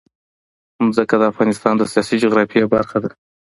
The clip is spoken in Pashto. ځمکه د افغانستان د سیاسي جغرافیه برخه ده.